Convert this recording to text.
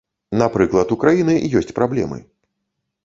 Напрыклад, у краіны ёсць праблемы.